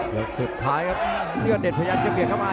ยกสุดท้ายครับยอดเด็ดเผยังจะเบียงเข้ามา